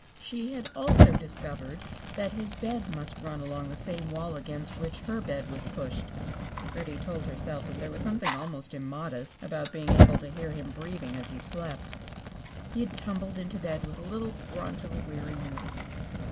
She had also discovered that his bed must run along the same wall against which her bed was pushed. Gertie told herself that there was something almost immodest about being able to hear him breathing as he slept. He had tumbled into bed with a little grunt of weariness.